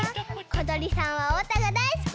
ことりさんはおうたがだいすき！